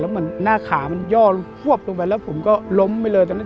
แล้วหน้าขามันย่อหวบลงไปแล้วผมก็ล้มไปเลย